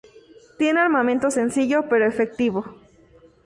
Tiene armamento sencillo, pero efectivo.